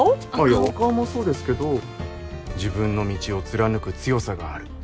お顔もそうですけど自分の道を貫く強さがある。